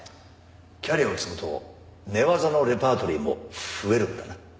キャリアを積むと寝技のレパートリーも増えるんだな。